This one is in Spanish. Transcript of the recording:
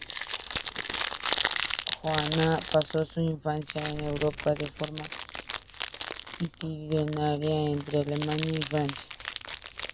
Johanna pasó su infancia en Europa, de forma itinerante, entre Alemania y Francia.